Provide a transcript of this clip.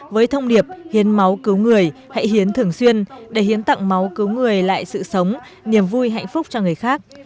với thông điệp hiến máu cứu người hãy hiến thường xuyên để hiến tặng máu cứu người lại sự sống niềm vui hạnh phúc cho người khác